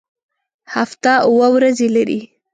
هفته اووه ورځې لري